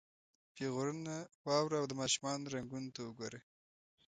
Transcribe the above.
پیغورونه واوره او د ماشومانو رنګونو ته ګوره.